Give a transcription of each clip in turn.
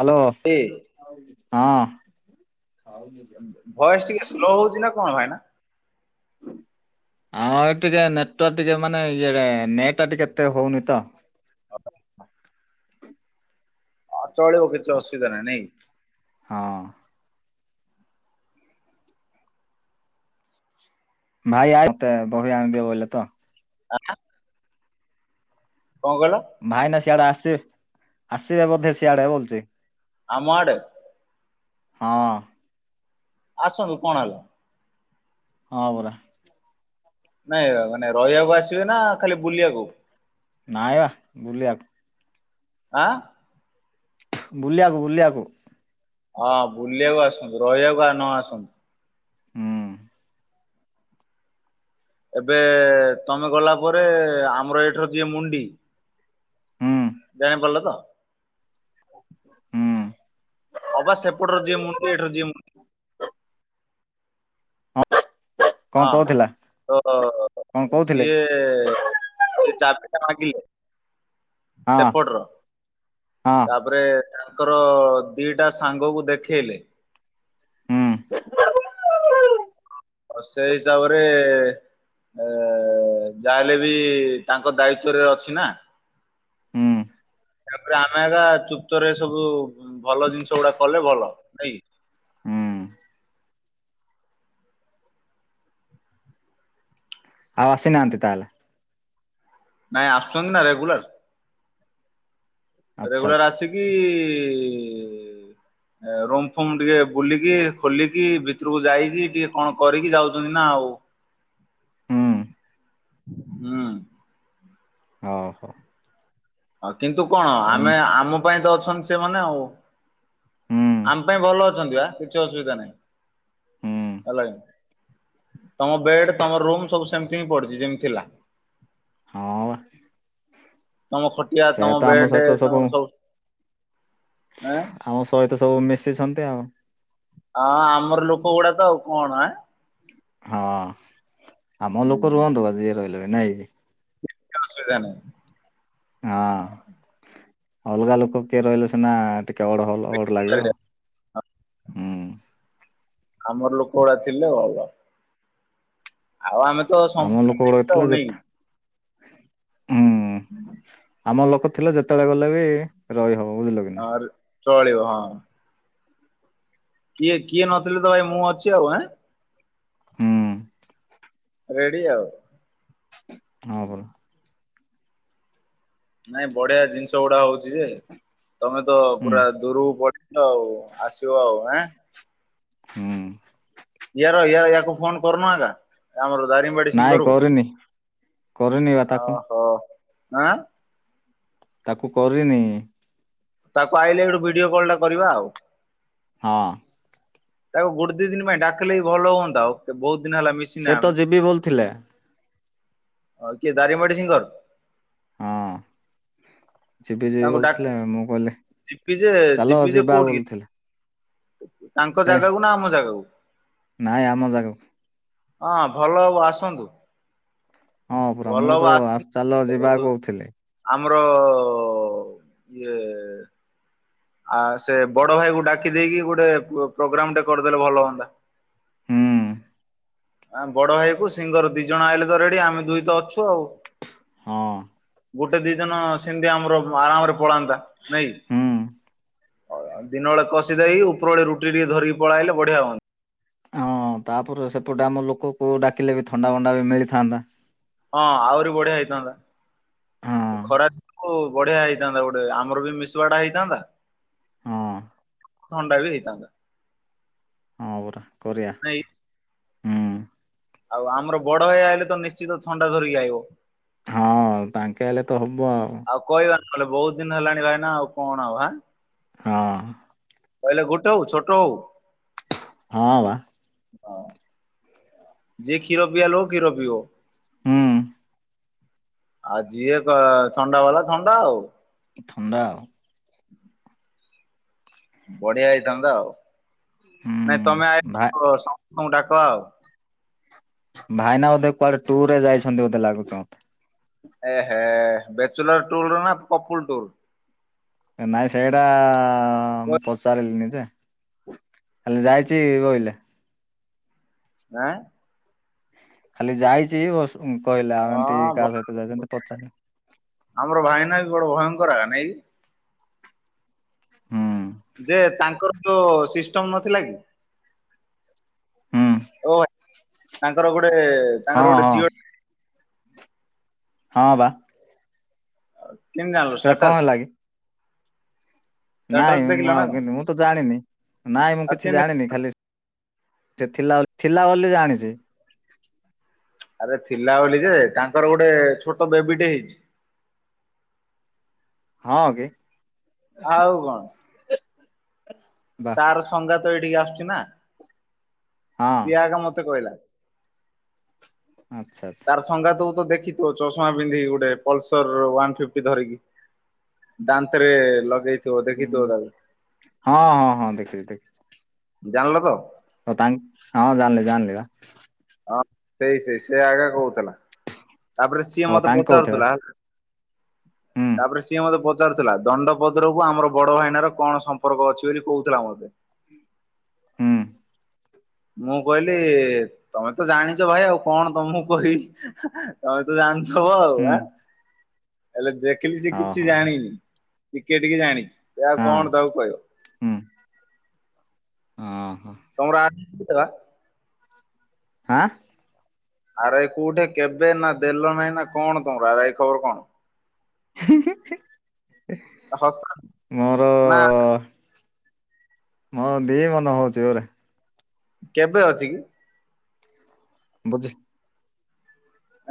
Hello ଏ ହଁ। Voice ଟିକେ ସ୍ଲୋ ହଉଛି ନା କଣ ଭାଇନା? ଆଉ ଏ ଟିକେ ନେଟୱାର୍କ ଟିକେ ମାନେ ଇଏ ନେଟ୍ ଆ ଟିକ କେତେ ହଉନି ତ। ହ ଚଳିବ କିଛି ଅସୁବିଧା ନାହିଁ ନାଇଁକି? ହଁ। [unintelligible] ଆଁ କଣ କହିଲ? ଭାଇନା ସିଆଡ଼େ ଆସିବେ ଆସିବେ ବୋଧେ ସିଆଡ଼େ ବଲଛି? ଆମ ମାଡ଼େ? ହଁ। ଆସନ୍ତୁ କଣ ହେଲା। ହଁ ବରା। ନାଇଁ ମାନେ ରହିବାକୁ ଆସିବେ ନା ଖାଲି ବୁଲିବାକୁ? ନାଇ ବା ବୁଲିବାକୁ। ଆଁ? ବୁଲିବାକୁ ବୁଲିବାକୁ। ହଁ ବୁଲିବାକୁ ଆସନ୍ତୁ ରହିବାକୁ ଆଉ ନ ଆସନ୍ତୁ। ହୁଁ। ଏବେ ତମେ ଗଲା ପରେ ଆମର ଏଇଠୁ ଯିଏ ମୁଣ୍ଡି ହୁଁ ଜାଣିପାରିଲ ତ? ହୁଁ। ହବା ସେପଟର ଯିଏ ମୁଣ୍ଡି ଏଠର ଯି ମୁନି କଣ କହୁଥିଲା ହଁ ଓହୋ କଣ କହୁଥିଲେ ସିଏ ସେ ଚାବି ଟା ମାଗିଲେ ହଁ ସେପଟ ର ହଁ ତାପରେ ତାଙ୍କର ଦିଟା ସାଙ୍ଗକୁ ଦେଖେଇଲେ। ହୁଁ। ସେ ହିସାବରେ ଏ ଯାହାହେଲେ ବି ତାଙ୍କ ଦାୟିତ୍ଵରେ ଅଛି ନା। ହୁଁ। ତାପରେ ଆମେ ଏକା ଚୁପ୍ତରେ ସବୁ ଭଲ ଜିନିଷ ଗୁଡ଼ା କଲେ ଭଲ ନାଇଁ କି? ହୁଁ। ଆଉ ଆସିନାହାନ୍ତି ତାହେଲେ? ନାଇଁ ଆସୁଛନ୍ତି ନା ରେଗୁଲାର୍। ଆଚ୍ଛା ରେଗୁଲାର୍ ଆଚ୍ଛା ଆସିକି ରୁମ୍ ଫୁମ୍ ଟିକେ ବୁଲିକି ଖୋଲିକି ଭିତୁରୁକୁ ଯାଇକି ଟିକେ କଣ କରିକି ଯାଉଚନ୍ତି ନା ଆଉ। ହୁଁ ହୁଁ। ଅହୋ। ଅ କିନ୍ତୁ କଣ ଆମେ ଆମ ପାଇଁ ତ ଅଛନ୍ତି ସେମାନେ ଆଉ। ହୁଁ। ଆମ୍ ପାଇଁ ଭଲ ଅଛନ୍ତି ବା କିଛି ଅସୁବିଧା ନାହିଁ। ହୁଁ ହେଲା [unintelligible] ତମ ବେଡ୍ ତମ ରୁମ୍ ସବୁ ସେମ୍ତି ହିଁ ପଡିଛି ଯେମ୍ ଥିଲା। ହଁ ୱା। ତମ ଖଟିଆ ତମ ବେଡ ସହିତ ସବୁ ତମର ସବୁଁ ଆ ଆମ ସହିତ ସବୁ ମିଶିଛନ୍ତି ଆଉ। ହଁ ଆମର ଲୋକ ଗୁଡା ତ ଆଉ କଣ ଆଁ। ହଁ ଆମ ଲୋକ ରୁହନ୍ତୁ ବା ଯିଏ ରହିଲେ ବି ନାଇଁ କି। କିଛି ଅସୁବିଧା ନାଇଁ। ଅଂ ଅଲଗା ଲୋକ କିଏ ରହିଲେ ସିନା ଟିକେ ଅଡ ଭଲ ଅଡ଼ ଲାଗିବ ନାହିଁ ହୁଁ। ଆମର ଲୋକ ଗୁଡା ଥିଲେ ଭଲ। ଆଉ ଆମେ ତ ଆମ ଲୋକ ସମ୍ପୂର୍ଣ୍ଣ ଗୁଡାକ ଆଉ ଥିଲେ ନେଇ ଯେତେ ହୁଁ ଆମର ଲୋକ ଥିଲେ ଯେତେଳେ ଗଲେ ବି ରହି ହବ ବୁଝିଲ? କି ନା ହଁ ରେ ଚଳିବ ହଁ। କିଏ କିଏ ନଥିଲେ ତ ଭାଇ ମୁଁ ଅଛି ଆଁ। ହୁଁ। ରେଡ଼ି ଆଉ। ହଁ ପରା। ନାଇଁ ବଢିଆ ଜିନିଷ ଗୁଡାକ ହଉଛି ଯେ ତମେ ତ ହୁଁ ପୁରା ଦୂରୁକୁ ପ ଲ ଆଉ ଆସିବ ଆଁ। ହୁଁ। ୟାର ୟା ୟାକୁ ଫୋନ୍ କରୁନୁ ଆକା ଆମର ଦାରିମ୍ବାଡି ନାଇଁ ସିଙ୍ଗରୁ କରିନି କରିନି ବା ଓ ତାକୁ ହୋ ଆଁ ତାକୁ କରିନି। ତାକୁ ଆଇିଲେ ସେଠୁ ଗୋଟେ ଭିଡିଓ କଲ୍ ଟା କରିବା ଆଉ। ହଁ। ତାକୁ ଗୁଟ୍ ଦି ଦିନି ପାଇଁ ଡାକିଲେ ବି ଭଲ ହୁଅନ୍ତା ଓ ସେ ବହୁତ ଦିନ ହେଲା ମିଶ୍ ସେ ତ ଯିବି ବୋଲ୍ ଥିଲେ। ହଉ କିଏ ଦାରିମ୍ବାଡି ସିଙ୍ଗର୍? ହଁ। ସିଏ ବି ଯିବି ତାଙ୍କୁ ବୋଲ୍ ଡା ଥିଲେ ମୁଁ କହିଲି ଯିବି ଯେ ଚାଲ ଯିବି ଯେ ଯିବା କୋଉଠିକି ବୋଲ୍ ଥିଲି। ତାଙ୍କ ଜାଗାକୁ ନା ଆମ ଜାଗାକୁ? ନାଇଁ ଆମ ଜାଗାକୁ। ହଁ ଭଲ ହବ ଆସନ୍ତୁ। ହଁ ପୁରା ଭଲ ମୁଁ ହବ ତ ଆ ଆସ୍ ଚାଲ ଯିବା କହୁଥିଲି। ଆମର ଇଏ ଆ ସେ ବଡ ଭାଇକୁ ଡାକି ଦେଇକି ଗୋଟେ ପ ପ୍ରୋଗ୍ରାମଟେ କର୍ ଦେଲେ ଭଲ ହୁଅନ୍ତା। ହୁଁ। ଆଁ ବଡ ଭାଇକୁ ସିଙ୍ଗର୍ ଦି ଜଣ ଆଇଲେ ତ ରେଡି ଆମେ ଦୁଇ ତ ଅଛୁ ଆଉ। ହଁ। ଗୋଟେ ଦି ଦିନ ସିନ୍ତି ଆମର ଆରାମରେ ପଳାନ୍ତା ନାଇଁକି? ହୁଁ [unintelligible] ଦିନ ବେଳେ କଷି ଦେଇେକି ଉପରବୋଳି ରୁଟି ଟିକେ ଧରିକି ପଳେଇଆଇଲେ ବଢିଆ ହୁଅନ୍ତି। ହଁ ତାପରେ ସେପଟେ ଆମ ଲୋକକୁ ଡାକିଲେ ବି ଥଣ୍ଡାଭଣ୍ଡା ବି ମିଳିଥାନ୍ତା। ହଁ ଆହୁରି ବଢିଆ ହଁ। ହେଇଥାନ୍ତା ଖରା କୁ ବଢିଆ ହେଇଥାନ୍ତା ଗୋଟେ ଆମର ବି ମିଶୁଆଟା ହେଇଥାନ୍ତା ହଁ ଥଣ୍ଡା ବି ହେଇଥାନ୍ତା। କରିଆ ନାଇଁ ହୁଁ। ଆଉ ଆମର ବଡ ଭାଇ ହେଇଲେତ ନିଶ୍ଚିତ ଥଣ୍ଡା ଧରିକି ଆଇବ। ହଁ ତାଙ୍କେ ହେଲେ ତ ହବ ଆଉ। ଆଉ କହିବା ନ କହିଲେ ବହୁତୁ ଦିନ ହେଲାଣି ଭାଇନା ଆଉ କଣ ଆଉଁ ଆଁ। ହଁ। କହିଲେ ଗୋଟେ ହଉ ଛୋଟ ହଉ। ହଁ ବା। ହଁ ଯେ ଖିର ପିଇବା ଲୋକ ଖିର ପିଇବ। ହୁଁ। ଆଉ ଯିଏ ଥ ଥଣ୍ଡା ବାଲା ଥଣ୍ଡା ଆଉ। ଥଣ୍ଡା ଆଉ। ବଢିଆ ହେଇଥାନ୍ତା ଆଉ ନାଇଁ ହୁଁ ତମେ ଆ ଭାଇ ସମସ୍ତଙ୍କୁ ଡାକ ଆଉ। ଭାଇନା ବୋଧେ କୁଆଡେ ଟୁର ରେ ଯାଇଛନ୍ତି ବୋଧେ ଲାଗୁଚି ମତେ। ଏ ଏ ବ୍ୟାଚୁଲୁର ଟୁର ନା ଫକୁଲୁ ଟୁୁରୁ। ନାଇଁ ସେଇଟା ହଁ ମୁଁ ପଚାରିଣିଯେ ଖାଲି ଯାଇଛି କହିଲେ। ଆଁ। ଖାଲି ଯାଇଛି କହିଲା ଆଉ ଏମିତି କାହା ସହିତ ଯାଇଛି ଏମିତି ପଚାରିନି। ଆମର ଭାଇନା ବି ବଡ ଭୟଙ୍କର ନାଇ? ହୁଁ। ଯେ ତାଙ୍କର ଯୋଉ ସିଷ୍ଟମ ନଥିଲା ହୁଁ ଓ ତାଙ୍କର ଗୋଡେ ହଁ ହଁ। ହଁ ବା। କେନ୍ତେ ଜାଣଲ ସେଇଟା କଣ ଷ୍ଟାଟସ୍? ହେଲା କି ଷ୍ଟାଟସ୍ ନାଇଁ ଦେଖିଲ ମୁଁ ନା କଣ ଆଉ ମୁଁ ତ ଜାଣିନି ନାଇଁ ମୁଁ ଆଉ କିଛି କେମିତି ଜାଣିନି ଖାଲି ସେ ଥିଲା ଥିଲା ବୋଲି ଜାଣିଚି। ଆରେ ଥିଲା ବୋଲି ଯେ ତାଙ୍କର ଗୋଟେ ଛୋଟ ବେବିଟେ ହେଇଚି। ହଁ କି। ଆଉ କଣ। ହ [unintelligible] ତାର ସଂଙ୍ଗା ତ ଏଇଠିକି ଆସୁଛି ନା। ହଁ ସିଏ ଆଗ ମତେ କହିଲା। ଆଚ୍ଛା ଆଚ୍ଛା। ସଙ୍ଗାତୁକୁ ତ ଦେଖିଥିବ ଚଷମା ପିନ୍ଧିକି ଗୋଟେ ପଲସର ୱାନ ଫିଟି ଧରିକି ଦାନ୍ତରେ ଲଗେଇ ହୁଁ ହଁ ହଁ ହଁ ଦେଖିଚି ଦେଖିଚି। ଜାଣିଲ ତ? ତ ତାଙ୍କ ହଁ ଜାଣିଲି ଜାଣିଲି ବା। ହଁ ସେଇ ସେଇ ସେ ଆଗେ କହୁଥିଲା। ତାପରେ ସିଏ ହଉ ମତେ ତାଙ୍କ କହୁଥିବେ ପଚାରୁଥିଲା ହେଲା। ହ ହୁଁ ତାପରେ ସିଏ ମୋତେ ପଚାରୁଥିଲା ଦଣ୍ଡପଦରକୁ ଆମର ବଡ ଭାଇନର କଣ ସମ୍ପର୍କ ଅଛି ବୋଲି କହୁଥିଲା ମତେ। ହୂ। ମୁଁ କହିଲି ତମେ ତ ଜାଣିଛ ଭାଇ ଆଉ କଣ ତମକୁ କହିବି। ତମେ ତ ଜାଣିଥବ ଆଉ ହୁଁ ଆ ହେଲେ ଦେଖିଲି ସେ ହଉ କିଛି ହଉ ଜାଣିନି। ଟିକେ ଟିକେ ଜାଣିଚି। ଏ ଆଉ ହଁ କଣ ତାକୁ କହିବ। ହୁଁ ହଁ ହୋ। ତମର ଆ ଦେବା ହାଁ ଆର ଆଇ କୋଉଠି କେବେ ନା ଦେଲ ନାହିଁ ନା କଣ ତମର ଆର ଆଇ ଖବର କଣ? ହସ ମୋର ନା ହଁ ଦିଏ ମନ ହଉଛି ଗୁରେ। କେବେ ଅଛି କି? ବୁଝି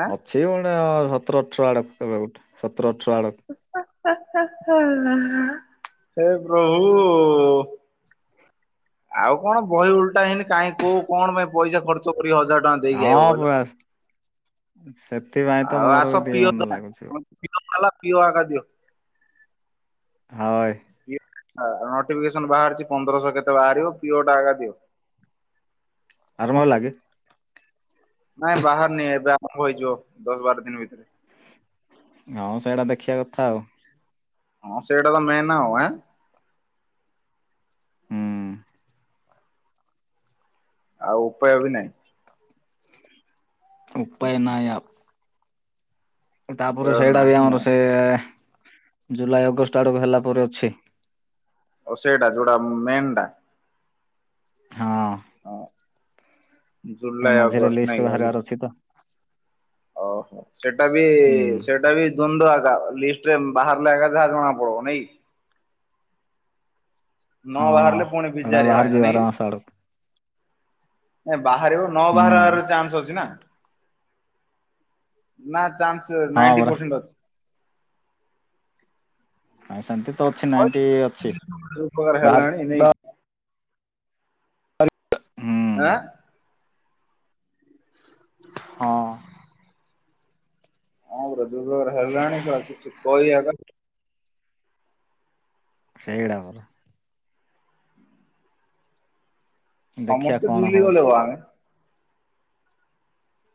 ଆଁ ଅଛି ପଣେ ସତର ଅଠର ଆଡକୁ କେବେ ଗୋଟେ ସତର ଅଠର ଆଡକୁ। ହା ହା ହା ହେ ପ୍ରଭୁ। ଆଉ କଣ ବହି ଉଲଟା ହେଇନି କାଇହିଁ କୋଉ କଣ ପାଇଁ ପଇସା ଖର୍ଚ୍ଚ କରି ହଜାର ହଜାର ଟଙ୍କା ଦେଇକି ଆଇବ ହଁ କହିଲ। ପୁରା ସେଥିପାଇଁ ତ ଆଉ ମୋର ବି ଆସ ଟିକେ ପିଅ ମନ ଲାଗୁଛି ଆଉ। ତମେ। ପିଓ ଖଲା ପିଓ ଆଗ ଦିଅ। ହାଏ। ପିଇଓ ନୋଟିଫିକେସନ ବାହାରିଛି ପନ୍ଦରଶହ କେତେ ବାହାରିବ ପିଓଟା ଆଗ ଦିଅ। ଆରମ୍ଭ ହେଲା କି? ନାଇଁ ବାହାରିନି ଏବେ ଆରମ୍ଭ ହେଇଯିବ ଦଶ ବାର ଦିନ ଭିତରେ। ହଁ ସେଇଟା ଦେଖିବା କଥା ଆଉ। ହଁ ସେଇଟା ତ ମେନ୍ ଆଉ ଆଁ। ହୁଁ। ଆଉ ଉପାୟ ବି ନାହିଁ। ଉପାୟ ନାହିଁ ଆଉ। ଉପାୟ ତାପରେ ସେଇଟା ବି ନାହିଁ ଆମର ଆଉ। ସେ ଜୁଲାଇ ଅଗଷ୍ଟ ଆଡ଼କୁ ହେଲା ପରେ ଅଛି। ଓ ସେଇଟା ଯୋଉଟା ମେନ୍ ଟା? ହଁ। ଏ ଜୁଲାଇ ମଝିରେ ଅଗଷ୍ଟ ନାଇଁ ଲିଷ୍ଟ ବାହାରିବାର ଅଛି ତ। ଓହୋ ସେଇଟା ବି ହୁଁ ସେଇଟା ବି ଦ୍ଵନ୍ଦ ଆକା ଲିଷ୍ଟରେ ବାହାରିଲା ଗା ଯାହା ଜଣା ପଡିବ ନାଇକି? ନ ହଁ ବାହାରିଲେ ପୁଣି ସେଟା ବିଜାରିଆ ବାହାରି ହଇରାଣ ଯିବ ନାଇଁ କି? ଆର ମାସ ଆଡକୁ। ଏ ବାହାରିବ ନ ହୁଁ ବାହାରିବାର ଚାନ୍ସ ଅଛି ନା। ନା ଚାନ୍ସ ହଁ ନାଇଣ୍ଟି ପରା ପରସେଣ୍ଟ ଅଛି। ନାଇଁ ସେମିତି ତ ଅଛି ନାଇଣ୍ଟି ଅଛି ଉପକାର ବାହାରି ହେଲାଣି ନାଇଁ ବ ଆଁ। ହଁ। ହଁ [unintelligible] ହେଲାଣି ସେ କିଛି କହିବା ନାହିଁ। ସେଇଟା ପରା। ଦେଖିବା ସମସ୍ତେ କଣ ଝୁଲି ଗଲେ ହଉଛି ହୋ ଆମେ।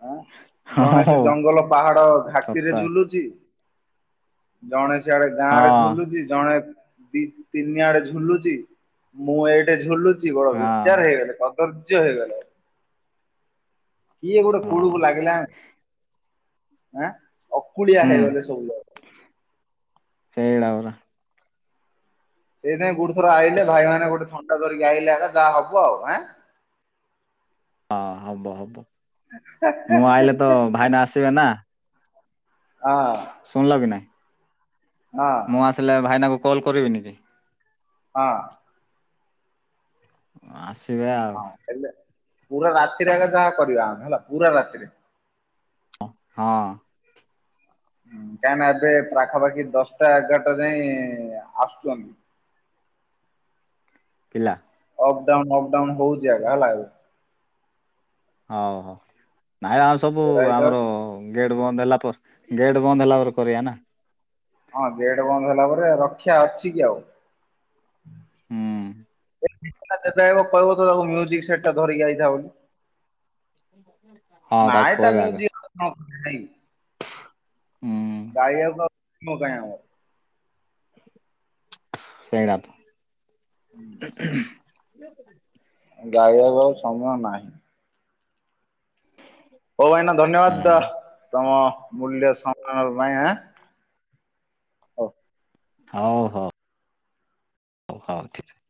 ଆଁ ହଁ ଜଣେ ସେ ହଉ ବା ଜଙ୍ଗଲ ପାହାଡ ଘାଟିରେ ସତ ଝୁଲୁଚି ଜଣେ ସ୍ ସିଆଡେ ଗାଁ ରେ ହଁ ଝୁଲୁଚି ଜଣେ ଦି ତିନିଆଡେ ଝୁଲୁଚି ମୁଁ ଏଇଟେ ଝୁଲୁଚି ବଡ ହଁ ବିଚାର ହେଇଗଲେ ମ। ଧର୍ଯ୍ୟ ହେଇଗଲେ। କିଏ ଗୋଟେ ହଁ କୁଳୁକୁ ଲାଗିଲା ଆଁ ଅକୁଳିଆ ହୁଁ ହେଇଗଲେ ସବୁଯାକ। ସେଡ଼ା ପରା। ସେଇଥିପାଇଁ ଗୋଟ୍ ଥର ଆଇିଲେ ଭାଇ ମାନେ ଗୋଟେ ଥଣ୍ଡା ଧରିକି ଆଇଲେ ଆକା ଯା ହବ ଆଉ ଆଁ। ହଁ ହବ ହବ ମୁଁ ଆଇଲେ ତ ଭାଇନା ଆସିବେ ନା। ହଁ। ଶୁଣିଲ କି ନାଇଁ? ହଁ। ମୁଁ ଆସିଲେ ଭାଇନାଙ୍କୁ କଲ୍ କରିବିିନି କି? ହଁ। ଆସିବେ ଆଉ। ହଁ ହେଲେ ପୁରା ରାତିରେ ଆକା ଯାହା କରିବା ଆମେ ହେଲା ପୁରା ରାତିରେ। ଅଁ ହଁ। ହୁଁ କାଇଁନା ଏବେ ପାଖାପାଖି ଦଶଟା ଏଗାରଟା ଯାଇଁ ଆସୁଚନ୍ତି। ପିଲା। ଅପ୍ଡାଉନ ଅପ୍ଡାଉନ ହଉଚି ଆକା ହେଲା। ହଉ ହଉ ନାଇ ଆଉ ସବୁ ସେଇଟା ଆମର ହିସାବରେ ଗେଟ୍ ବନ୍ଦ୍ ହେଲା ପର୍ ଗେଟ୍ ବନ୍ଦ୍ ହେଲା ପରେ କରିଆ ନା। ହଁ ଗେଟ ବନ୍ଦ ହେଲା ପରେ ରକ୍ଷା ଅଛି କି ଆଉ? ହୁଁ। କୁନା ଯେବେ ଆଇବ କଇବୁ ତ ତାକୁ ମ୍ୟୁଜିକ୍ ସେଟ୍ ଟା ଧରିକି ଆଇଥା [unintelligible] ହଁ ତାକୁ ନାଇ ତା କହିବା ଆଗ ମ୍ୟୁଜିକ୍ [unintelligible] ହୁଁ ଗାଇଆ କ [unintelligible] କାଇଁ ହବ। ସେଡା ତ। ଗାଇଆକୁ ଆଉ ସମୟ ନାହିଁ। [inaudible] ଓ ଭାଇନା ହୁଁ ଧନ୍ୟବାଦ ତମ ମୂଲ୍ୟ ସମୟ ପାଇଁଁ ଆଁ। ହ। ହଉ ହ ଉ ହ ଠିକ୍ [unintelligible]